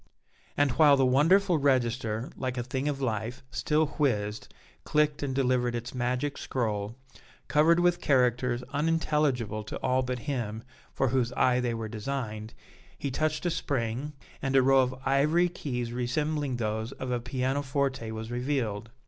And while the wonderful register, like a thing of life, still whizzed, clicked and delivered its magic scroll, covered with characters unintelligible to all but him for whose eye they were designed, he touched a spring, and a row of ivory keys resembling those of a piano forte was revealed.